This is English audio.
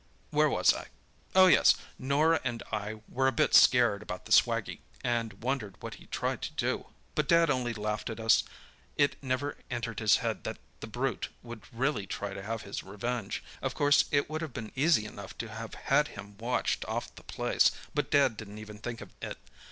"Where was I? Oh, yes. Norah and I were a bit scared about the swaggie, and wondered what he'd try to do; but Dad only laughed at us. It never entered his head that the brute would really try to have his revenge. Of course it would have been easy enough to have had him watched off the place, but Dad didn't even think of it.